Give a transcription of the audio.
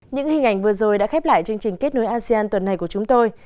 những hình ảnh vừa rồi đã khép lại chương trình kết nối asean tuần này của chúng tôi